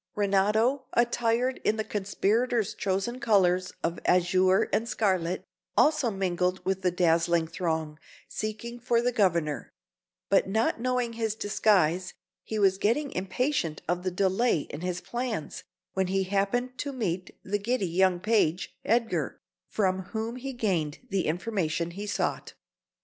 Renato, attired in the conspirators' chosen colours of azure and scarlet, also mingled with the dazzling throng, seeking for the Governor; but not knowing his disguise, he was getting impatient of the delay in his plans, when he happened to meet the giddy young page, Edgar, from whom he gained the information he sought.